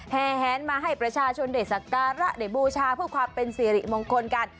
แห่งแห้นมาให้ประชาชนเด็ดสักตาระเด็ดบูชาผู้ความเป็นสิริมงคลกัน